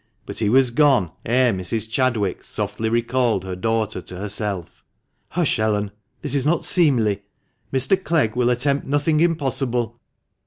But he was gone ere Mrs. Chadwick softly recalled her daughter to herself. "Hush, Ellen! This is not seemly. Mr. Clegg will attempt nothing impossible."